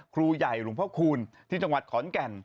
ครูใหญ่หลวงพ่อคูณที่จังหวัดขอนแก่น